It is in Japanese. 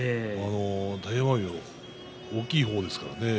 大奄美も大きい方ですからね